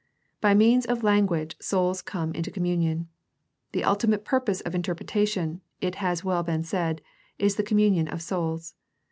By means of language souls come into communion. The ultimate purpose of interpretation, it has well been said, is the communion of souls.